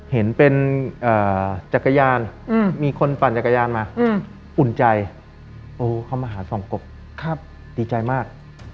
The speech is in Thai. เห็นเป็นจักรยานมีคนปั่นจักรยานมาอุ่นใจเข้ามาหาส่องกบดีใจมาก